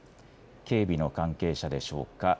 警備の関係者でしょうか。